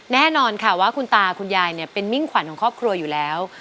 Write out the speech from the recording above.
แน่นอนค่ะว่าคุณตาคุณยายเป็นมิ่งขวัญของครอบครัวอยู่แล้ว